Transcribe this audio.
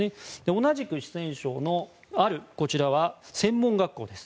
同じく四川省のある専門学校です。